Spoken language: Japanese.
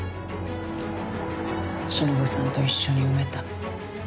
しのぶさんと一緒に埋めた。